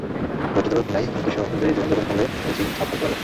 ধৈর্য্য ধরো কিনাই, উদ্দেশ্য অনুযায়ী জীবনযাপন করলে তুমি ছাপ রাখতে পারবে।